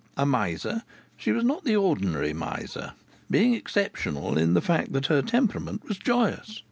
A miser, she was not the ordinary miser, being exceptional in the fact that her temperament was joyous.